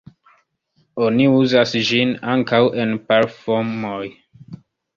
Oni uzas ĝin ankaŭ en parfumoj.